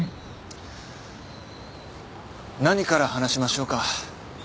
何から話しましょうか？